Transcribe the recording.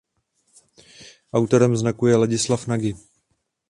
Autorem znaku je Ladislav Nagy.